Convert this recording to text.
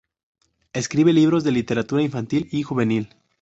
Escribe libros de literatura infantil y juvenil.